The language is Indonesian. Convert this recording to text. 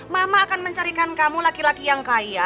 mama akan mencarikan kamu laki laki yang kaya